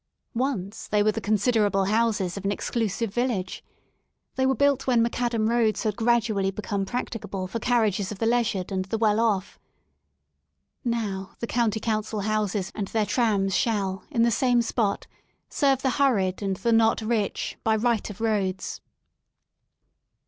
Once they were the considerable houses of an exclusive village. They were built when macadam roads had gradually become practicable for carriages of the leisured and the well off. Now the County Council houses and their trams shall, in the same spot, serve the hurried and the not rich, by right of roads.